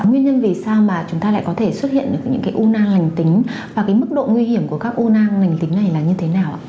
nguyên nhân vì sao mà chúng ta lại có thể xuất hiện những cái u lành tính và cái mức độ nguy hiểm của các u lành tính này là như thế nào